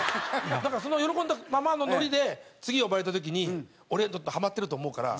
だからその喜んだままのノリで次呼ばれた時に俺ハマってると思うから。